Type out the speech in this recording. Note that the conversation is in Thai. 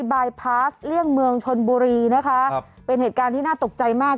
บายพาสเลี่ยงเมืองชนบุรีนะคะครับเป็นเหตุการณ์ที่น่าตกใจมาก